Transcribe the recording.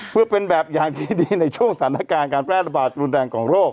เพื่อเป็นแบบอย่างที่ดีในช่วงสถานการณ์การแพร่ระบาดรุนแรงของโรค